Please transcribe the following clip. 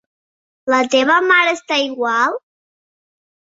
La teva mare està igual?